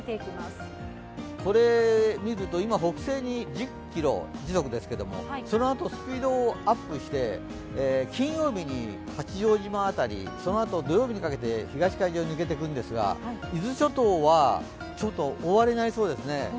これを見ると、今、北西に白く１０ｋｍですけどもそのあと、スピードアップして金曜日に八丈島辺りそのあと土曜日にかけて東海上に抜けていくんですが、伊豆諸島はちょっと大荒れになりそうですね。